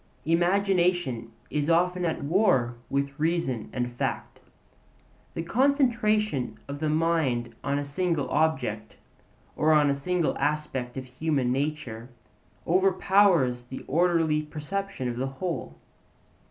Imagination is often at war with reason and fact. The concentration of the mind on a single object, or on a single aspect of human nature, overpowers the orderly perception of the whole.